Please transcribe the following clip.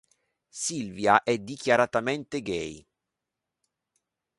Silva è dichiaratamente gay.